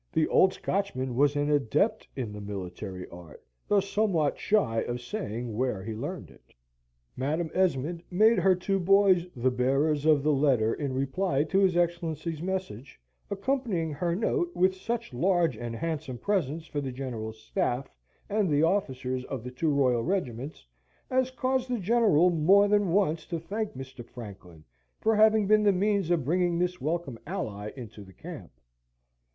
The old Scotchman was an adept in the military art, though somewhat shy of saying where he learned it. Madam Esmond made her two boys the bearers of the letter in reply to his Excellency's message, accompanying her note with such large and handsome presents for the General's staff and the officers of the two Royal Regiments, as caused the General more than once to thank Mr. Franklin for having been the means of bringing this welcome ally into the camp.